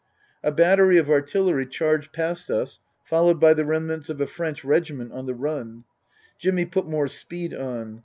A battery of artillery charged past us, followed by the remnants of a French regiment on the run. Jimmy put more speed on.